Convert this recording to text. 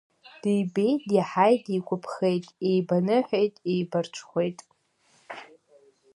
Дибеит, диаҳаит, дигәаԥхеит, еибаныҳәеит, еибарҽхәеит.